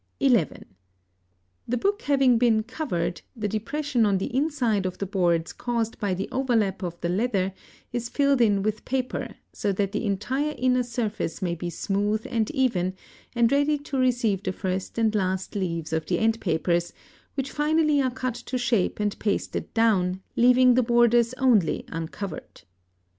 (11) The book having been covered, the depression on the inside of the boards caused by the overlap of the leather is filled in with paper, so that the entire inner surface may be smooth and even, and ready to receive the first and last leaves of the end papers, which finally are cut to shape and pasted down, leaving the borders only uncovered.